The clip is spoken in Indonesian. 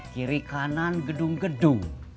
kiri kanan gedung gedung